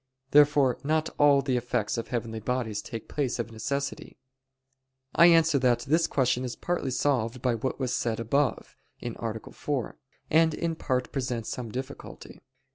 Therefore not all the effects of heavenly bodies take place of necessity. I answer that, This question is partly solved by what was said above (A. 4); and in part presents some difficulty.